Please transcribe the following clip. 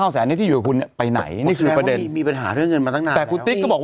๙แสนนี้ที่อยู่คุณไปไหนนี่คือประเด็นได้มีปัญหาเงินวันนั้นตั้งแต่คุณติ๊กก็บอกว่า